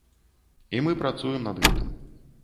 І мы працуем над гэтым.